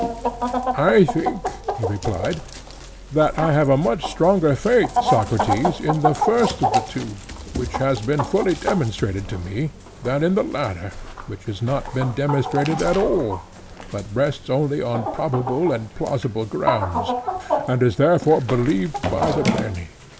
I think, he replied, that I have a much stronger faith, Socrates, in the first of the two, which has been fully demonstrated to me, than in the latter, which has not been demonstrated at all, but rests only on probable and plausible grounds; and is therefore believed by the many.